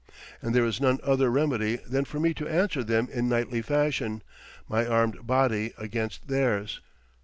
And there is none other remedy than for me to answer them in knightly fashion, my armed body against theirs.